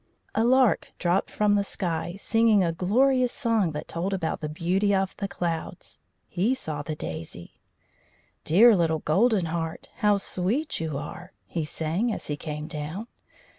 A lark dropped from the sky, singing a glorious song that told about the beauty of the clouds. He saw the daisy. "Dear little Golden Heart, how sweet you are!" he sang, as he came down.